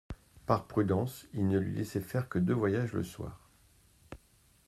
Par prudence, il ne lui laissait faire que deux voyages, le soir.